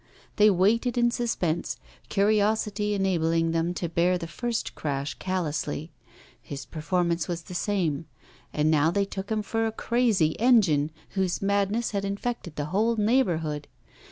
They waited in suspense, curiosity enabling them to bear the first crash callously. His performance was the same. And now they took him for a crazy engine whose madness had infected the whole neighbourhood.